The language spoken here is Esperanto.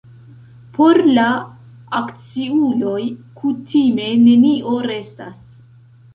Por la akciuloj kutime nenio restas.